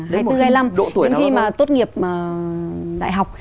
đến khi mà tốt nghiệp đại học